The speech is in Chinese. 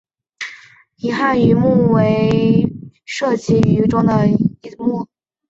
银汉鱼目为辐鳍鱼纲的其中一目。